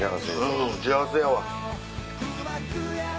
うん幸せやわ。